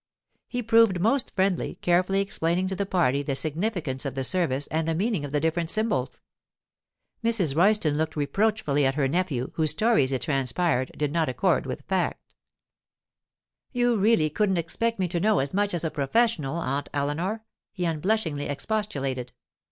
He proved most friendly, carefully explaining to the party the significance of the service and the meaning of the different symbols. Mrs. Royston looked reproachfully at her nephew, whose stories, it transpired, did not accord with fact. 'You really couldn't expect me to know as much as a professional, Aunt Eleanor,' he unblushingly expostulated.